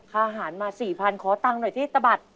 ค่าอาหารมา๔๐๐๐บาทขอตังค์หน่อยที่ตะบัด